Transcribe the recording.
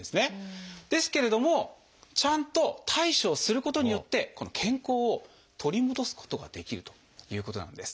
ですけれどもちゃんと対処をすることによって健康を取り戻すことができるということなんです。